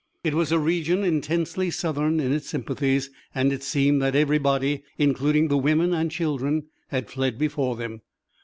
It was a region intensely Southern in its sympathies, and it seemed that everybody, including the women and children, had fled before them.